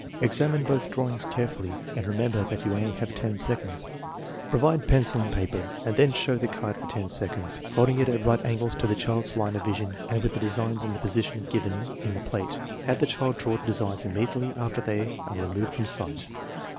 Examine both draw ings carefully and remember that you have only ten seconds." Provide pencil and paper and then show the card for ten seconds, holding it at right angles to the child's line of vision and with the designs in the position given in the plate. Have the child draw the designs immediately after they are removed from sight.